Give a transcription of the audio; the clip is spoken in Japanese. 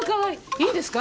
いいんですか？